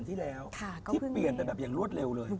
ที่เปลี่ยนแต่แบบอย่างรวดเร็วเลย